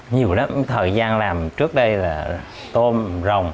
nhiều lắm thời gian làm trước đây là tôm rồng